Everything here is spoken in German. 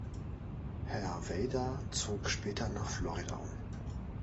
Herr Vader zog später nach Florida um.